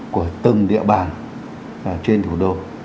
của từng địa bàn trên thủ đô